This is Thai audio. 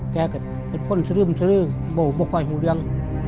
แกก็เป็นคนสรืมสรือบ่คอยหูเรียง